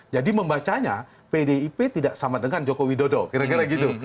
jadi membacanya pdip tidak sama dengan jokowi dodo kira kira gitu